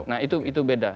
nah itu beda